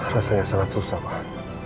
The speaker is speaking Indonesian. rasanya sangat susah pak